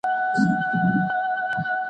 دغه ناول د هېواد د تاریخ یو روښانه انځور دی.